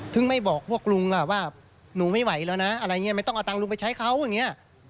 ไม่บอกพวกลุงล่ะว่าหนูไม่ไหวแล้วนะอะไรอย่างนี้ไม่ต้องเอาตังค์ลุงไปใช้เขาอย่างนี้